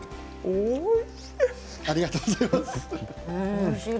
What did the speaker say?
おいしい！